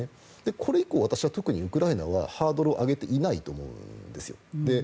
これ以降、私は特にウクライナはハードルを上げていないと思うんです。